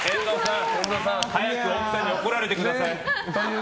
遠藤さん、早く奥さんに怒られてください。